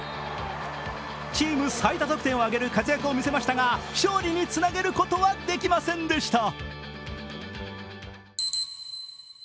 チーム最多得点を挙げる活躍を見せましたが勝利につなげることはできませんでした。